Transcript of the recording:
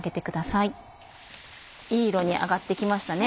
いい色に揚がって来ましたね。